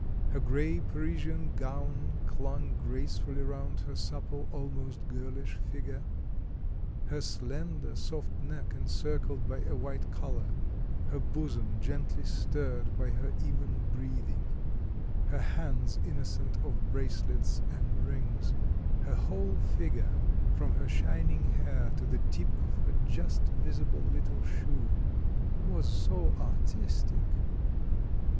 Her grey Parisian gown clung gracefully round her supple, almost girlish figure; her slender, soft neck, encircled by a white collar, her bosom gently stirred by her even breathing, her hands innocent of bracelets and rings her whole figure, from her shining hair to the tip of her just visible little shoe, was so artistic...